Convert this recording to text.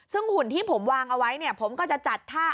ซึ่งหุ่นที่ผมวางเอาไว้เนี่ยผมก็จะจัดท่า